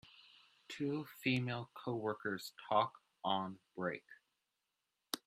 Two female coworkers talk on break.